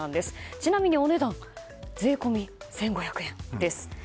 ちなみにお値段税込み１５００円です。